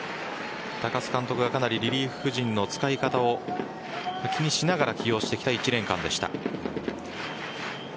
高津監督がかなりリリーフ陣の使い方を気にしながら起用してきた１年間でした。